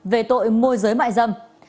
về tội môi giới mại dâm